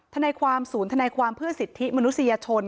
ทนายความศูนย์ธนายความเพื่อสิทธิมนุษยชน